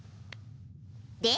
で？